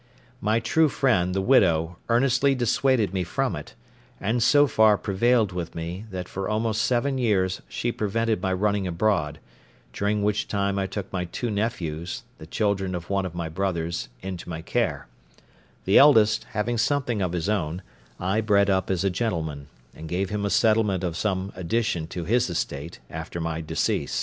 My true friend, the widow, earnestly dissuaded me from it, and so far prevailed with me, that for almost seven years she prevented my running abroad, during which time I took my two nephews, the children of one of my brothers, into my care; the eldest, having something of his own, I bred up as a gentleman, and gave him a settlement of some addition to his estate after my decease.